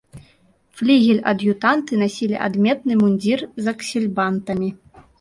Флігель-ад'ютанты насілі адметны мундзір з аксельбантамі.